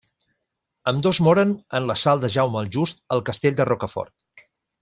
Ambdós moren en l'assalt de Jaume el Just al castell de Rocafort.